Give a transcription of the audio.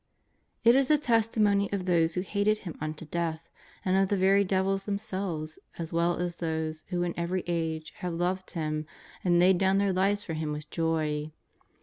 It is the testimony of those who hated Him unto death and of the very devils themselves, as well as of those who in every age have loved Him and laid do^vn their lives for Him with joy.